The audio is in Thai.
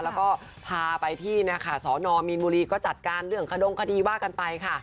แล้วก็พาไปที่สนมีนบุรีก็จัดการเรื่องขดงคดีว่ากันไปค่ะ